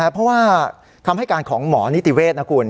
เพราะว่าคำให้การของหมอนิติเวศนะคุณ